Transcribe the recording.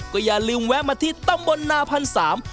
ก็อย่าลืมแวะมาที่ตำบลนาพันธ์สาม